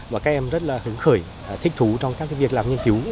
và các em rất là hứng khởi thích thú trong các việc làm nghiên cứu